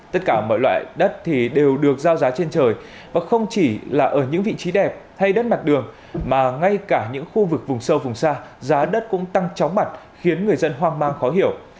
tất cả mọi loại đất thì đều được giao giá trên trời và không chỉ là ở những vị trí đẹp hay đất mặt đường mà ngay cả những khu vực vùng sâu vùng xa giá đất cũng tăng chóng mặt khiến người dân hoang mang khó hiểu